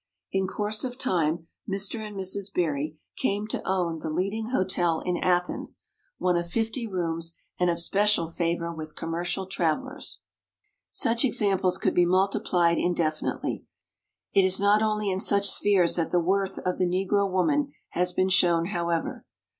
In course of time Mr. and Mrs. Berry came to own the leading 16 WOMEN OF ACHIEVEMENT hotel in Athens, one of fifty rooms and of special favor with commercial travelers. Such examples could be multiplied indefi nitely. It is not only in such spheres that the worth of the Negro woman has been shown, however.